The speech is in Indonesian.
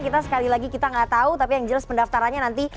kita sekali lagi kita nggak tahu tapi yang jelas pendaftarannya nanti